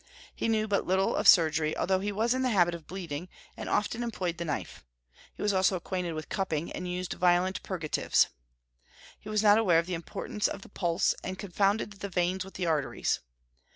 He knew but little of surgery, although he was in the habit of bleeding, and often employed the knife; he was also acquainted with cupping, and used violent purgatives. He was not aware of the importance of the pulse, and confounded the veins with the arteries.